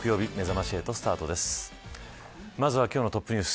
まずは今日のトップニュース。